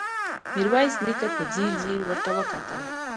ميرويس نيکه په ځير ځير ورته وکتل.